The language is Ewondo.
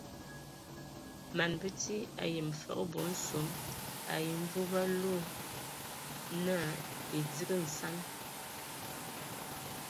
Man bəti ayəm fəg bɔ nsom ai mvu ba loe wo na edigi nsan.